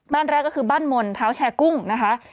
บ้านแรกก็คือบ้านมนต์เท้าแชร์กุ้งนะคะ